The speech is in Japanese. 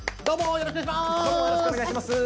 よろしくお願いします